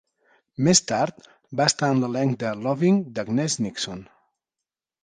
Més tard va estar en l'elenc de "Loving", d'Agnes Nixon.